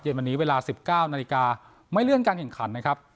เย็นวันนี้เวลาสิบเก้านาฬิกาไม่เลื่อนการแข่งขันนะครับ